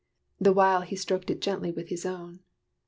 The while he stroked it gently with his own.